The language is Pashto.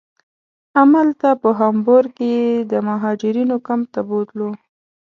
همالته په هامبورګ کې یې د مهاجرینو کمپ ته بوتلو.